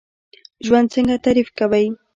ژوند څنګه تعریف کوئ؟